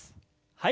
はい。